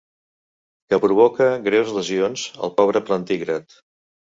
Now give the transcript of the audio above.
Que provoca greus lesions al pobre plantígrad.